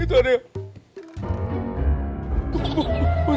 biranya kenong bunyik